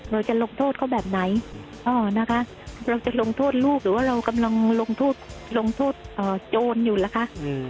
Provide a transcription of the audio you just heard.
เราจะลงโทษเขาแบบไหนนะคะเราจะลงโทษลูกหรือว่าเรากำลังลงโทษโจรอยู่ล่ะคะ